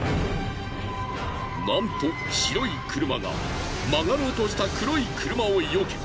なんと白い車が曲がろうとした黒い車をよけ